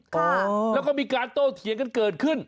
ค่ะแล้วก็มีการโต้เถียงกันเกิดขึ้น